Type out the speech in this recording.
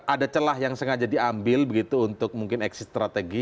ada celah yang sengaja diambil begitu untuk mungkin exit strategy